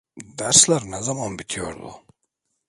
Dersler ne zaman bitiyordu?